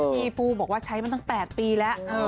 พี่ปูบอกว่าใช้มาตั้ง๘ปีแล้ว